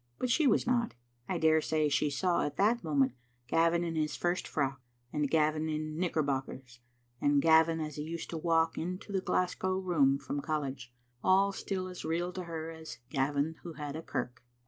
But she was not. I dare say she saw at that moment Gavin in hi» first frock, and Gavin in knickerbockers, and Gavin as he used to walk into the Glasgow room from college, all still as real to her as the Gavin who had a kirk.